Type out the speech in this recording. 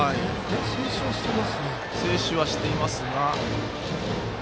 静止はしていますね。